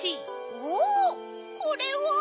おぉこれは？